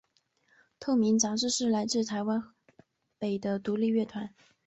透明杂志是来自台湾台北的独立乐团。